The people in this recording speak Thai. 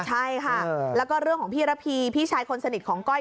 ใช่ค่ะแล้วก็เรื่องของพี่ระพีพี่ชายคนสนิทของก้อย